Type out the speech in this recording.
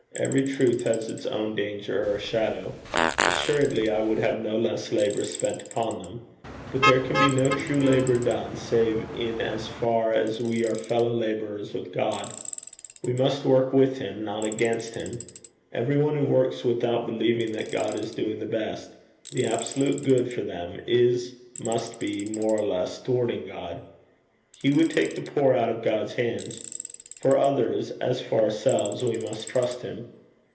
Every truth has its own danger or shadow. Assuredly I would have no less labour spent upon them. But there can be no true labour done, save in as far as we are fellow labourers with God. We must work with him, not against him. Every one who works without believing that God is doing the best, the absolute good for them, is, must be, more or less, thwarting God. He would take the poor out of God's hands. For others, as for ourselves, we must trust him.